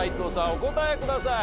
お答えください。